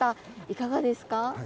いかがですか。